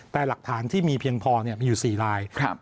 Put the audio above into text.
แต่หลักฐานที่มีเพียงพอเนี่ยมีอยู่สี่ลายครับ